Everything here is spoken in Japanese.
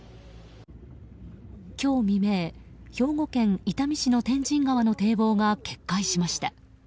今日未明兵庫県伊丹市の天神川の堤防が決壊しました。